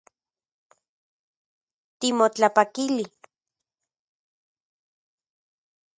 Timotlapakili